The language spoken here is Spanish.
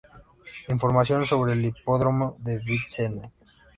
Información sobre el "Hippodrome de Vincennes".